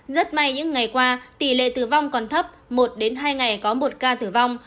rất may những ngày qua tỷ lệ tử vong còn thấp một đến hai ngày có một ca tử vong